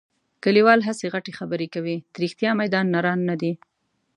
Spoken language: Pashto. کلیوال هسې غټې خبرې کوي. د رښتیا میدان نران نه دي.